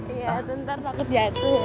iya jantan takut jatuh